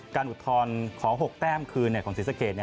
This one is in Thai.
การอุทธรณ์ขอ๖แป้มคืนของซีซะเกจ